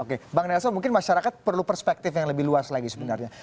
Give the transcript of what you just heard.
oke bang nelson mungkin masyarakat perlu perspektif yang lebih luas lagi sebenarnya